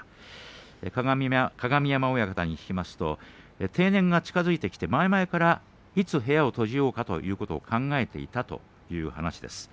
鏡山親方に聞きますと定年が近づいてきまして前々からいつ部屋を閉じようかということを考えていたということです。